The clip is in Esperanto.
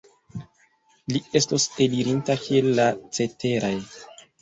Li estos elirinta kiel la ceteraj.